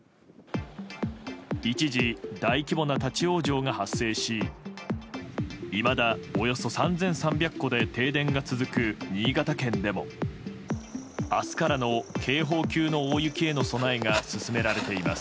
一時、大規模な立ち往生が発生しいまだ、およそ３３００戸で停電が続く新潟県でも明日からの警報級の大雪への備えが進められています。